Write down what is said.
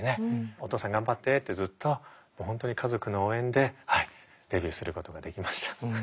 「お父さん頑張って」ってずっと本当に家族の応援でデビューすることができました。